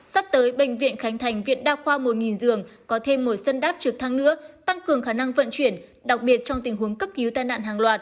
sắp tới bệnh viện khánh thành viện đa khoa một giường có thêm một sân đáp trực thăng nữa tăng cường khả năng vận chuyển đặc biệt trong tình huống cấp cứu tai nạn hàng loạt